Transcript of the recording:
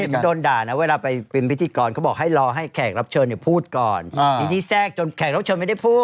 มันโดนด่านะเวลาไปเป็นพิธีกรเขาบอกให้รอให้แขกรับเชิญพูดก่อนพิธีแทรกจนแขกรับเชิญไม่ได้พูด